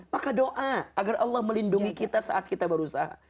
maka doa agar allah melindungi kita saat kita berusaha